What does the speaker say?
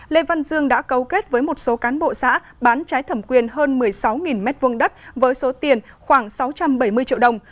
lê văn dương đã cấu kết với một số cán bộ xã bán trái thẩm quyền hơn một mươi sáu m hai với số tiền khoảng sáu trăm bảy mươi triệu đồng